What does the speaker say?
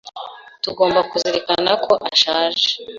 Tugomba kuzirikana ko ashaje.